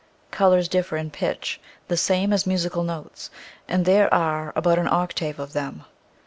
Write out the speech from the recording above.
Colors differ in pitch the same as musical tones, and there are about an octave of them.